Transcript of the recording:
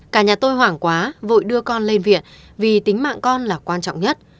cả nhà tôi hoảng quá vội đưa con lên viện vì tính mạng con là quan trọng nhất